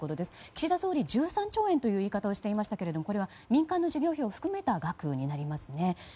岸田総理は１３兆円という言い方をしていましたがこれは民間の事業費を含めた額になりますね。